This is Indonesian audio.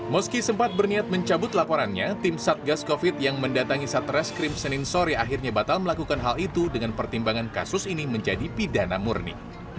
meski sempat berniat mencabut laporannya tim satgas covid yang mendatangi satreskrim senin sore akhirnya batal melakukan hal itu dengan pertimbangan kasus ini menjadi pidana murni